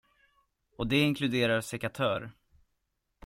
Och det inkluderar sekatör.